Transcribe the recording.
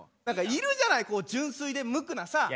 何かいるじゃないこう純粋で無垢なさ。